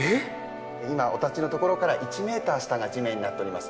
今、お立ちのところから１メーター下が地面になっております。